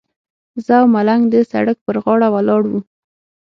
زه او ملنګ د سړک پر غاړه ولاړ وو.